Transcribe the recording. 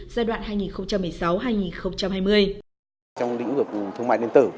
giai đoạn hai nghìn một mươi sáu hai nghìn hai